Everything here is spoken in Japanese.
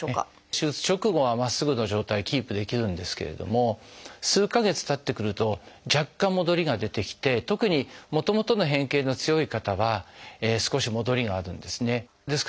手術直後はまっすぐの状態キープできるんですけれども数か月たってくると若干戻りが出てきて特にもともとの変形の強い方は少し戻りがあるんですね。